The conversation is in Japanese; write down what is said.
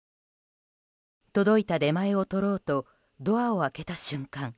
届いた出前を取ろうとドアを開けた瞬間